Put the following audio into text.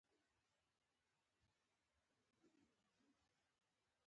بادي انرژي د افغانستان د طبیعت د ښکلا برخه ده.